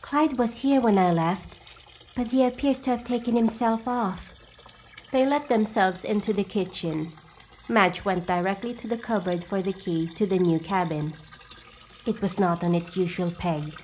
"Clyde was here when I left but he appears to have taken himself off." They let themselves into the kitchen. Madge went directly to the cupboard for the key to the new cabin. It was not on its usual peg.